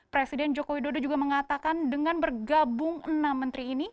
presiden joko widodo juga mengatakan dengan bergabung enam menteri ini